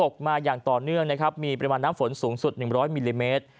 มาอย่างต่อเนื่องนะครับมีปริมาณน้ำฝนสูงสุด๑๐๐มิลลิเมตร